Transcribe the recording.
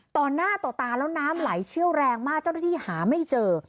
ต่อหน้าต่อตาแล้วน้ำไหลเชี่ยวแรงมากเจ้าหน้าที่หาไม่เจอ